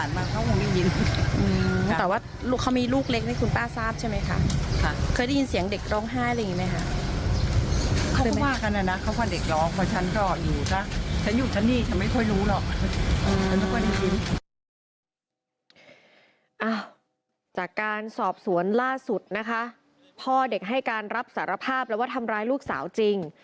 จากการสอบสวนล่าสุดนะคะพ่อเด็กให้การรับสารภาพแล้วว่าทำร้ายลูกสาวจริง